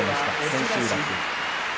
千秋楽。